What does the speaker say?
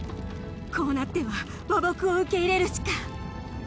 こうなっては和睦を受け入れるしか。